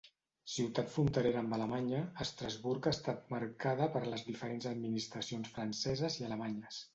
Ciutat fronterera amb Alemanya, Estrasburg ha estat marcada per les diferents administracions franceses i alemanyes.